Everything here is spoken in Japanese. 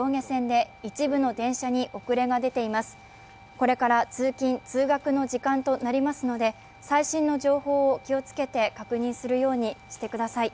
これから通勤・通学の時間となりますので最新の情報を気をつけて確認するようにしてください。